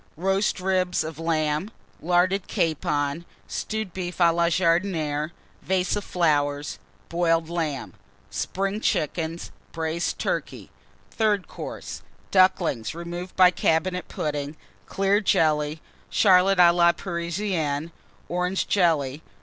_ Roast Ribs of Lamb. Larded Capon. Stewed Beef A la Vase of Boiled Ham. Jardinière. Flowers. Spring Chickens. Braised Turkey. Third Course. Ducklings, removed by Cabinet Pudding. Clear Jelly. Charlotte a la Parisienne. Orange Jelly.